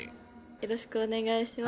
よろしくお願いします。